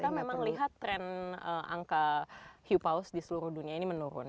kita memang lihat tren angka hupaus di seluruh dunia ini menurun